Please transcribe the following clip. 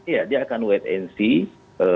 ya dia akan wait and see